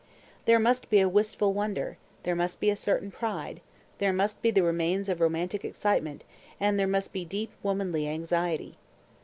There must be a wistful wonder, there must be a certain pride, there must be the remains of romantic excitement, and there must be deep womanly anxiety.